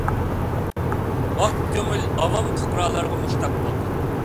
ئاق كۆڭۈل ئاۋام پۇقرالارغا مۇشتاق بولدى.